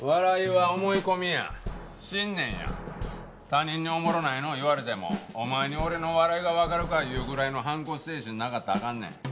他人に「おもろないのう」言われても「お前に俺の笑いがわかるか」いうぐらいの反骨精神なかったらあかんねん。